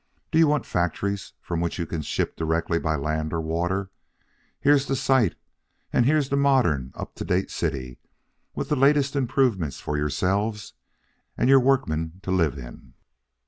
Do you want factories from which you can ship direct by land or water? Here's the site, and here's the modern, up to date city, with the latest improvements for yourselves and your workmen, to live in.'"